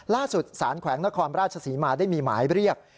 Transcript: ล่าสุดสารแขวงนครราชศรีมาได้มีหมายเรียก